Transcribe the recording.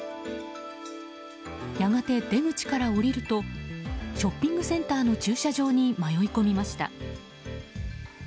やがて出口から降りるとショッピングセンターの駐車場に迷い込みました。